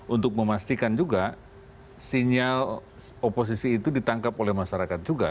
untuk memastikan juga sinyal oposisi itu ditangkap oleh masyarakat juga